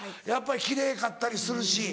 やっぱり奇麗かったりするし。